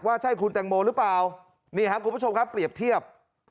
ใช่คุณแตงโมหรือเปล่านี่ครับคุณผู้ชมครับเปรียบเทียบ